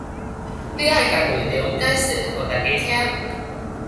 汝愛共內容解說予逐家聽